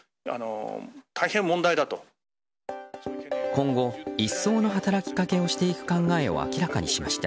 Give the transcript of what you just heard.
今後一層の働きかけをしていく考えを明らかにしました。